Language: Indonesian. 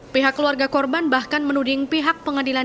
pihak keluarga korban bahkan menuding pihak pengadilan